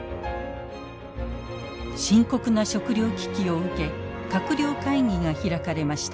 深刻な食料危機を受け閣僚会議が開かれました。